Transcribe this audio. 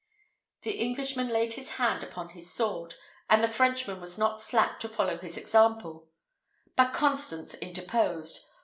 The Englishman laid his hand upon his sword, and the Frenchman was not slack to follow his example; but Constance interposed.